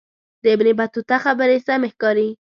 د ابن بطوطه خبرې سمې ښکاري.